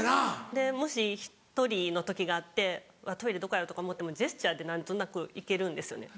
でもし１人の時があってトイレどこやろ？とか思ってもジェスチャーで何となくいけるんですよね。